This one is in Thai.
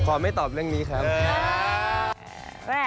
ไม่ตอบเรื่องนี้ครับ